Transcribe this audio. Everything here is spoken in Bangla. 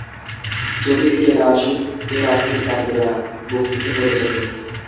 যদি ফিরে না আসেন এ রাত্তির কাটবে না, বুক ফেটে মরে যাব।